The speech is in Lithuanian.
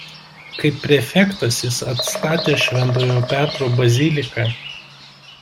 Kaip prefektas jis atstatė Šventojo Petro baziliką.